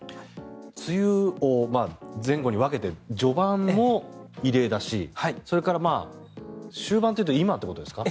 梅雨を前後に分けて序盤も異例だしそれから終盤というと今ということですか？